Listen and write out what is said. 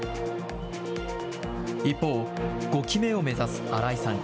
一方、５期目を目指す荒井さん。